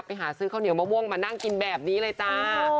ไปหาซื้อข้าวเหนียวมะม่วงมานั่งกินแบบนี้เลยจ้า